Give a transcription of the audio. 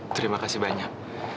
terima kasih banyak